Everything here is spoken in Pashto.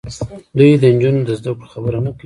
دوی د نجونو د زدهکړو خبره نه کوي.